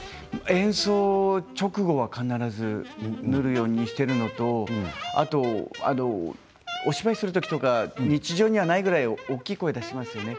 演奏直後は必ず塗るようにしているのとあとお芝居をする時とか日常にはないくらい大きい声でしますよね。